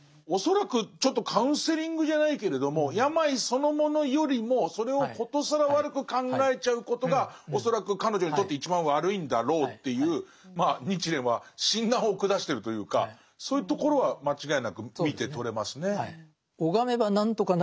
恐らくちょっとカウンセリングじゃないけれども病そのものよりもそれを殊更悪く考えちゃうことが恐らく彼女にとって一番悪いんだろうというまあ日蓮は診断を下してるというかそういうところは間違いなく見て取れますね。